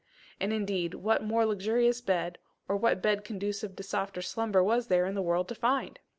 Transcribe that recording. And indeed what more luxurious bed, or what bed conducive to softer slumber was there in the world to find!